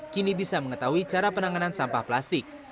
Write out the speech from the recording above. kini bisa mengetahui cara penanganan sampah plastik